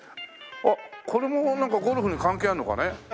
あっこれもなんかゴルフに関係あるのかね？